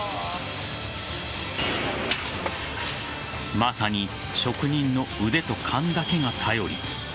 まさに職人の腕と勘だけが頼り。